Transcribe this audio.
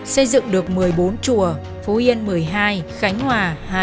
xây dựng được một mươi bốn chùa phú yên một mươi hai khánh hòa